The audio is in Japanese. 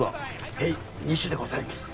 へい２朱でございます。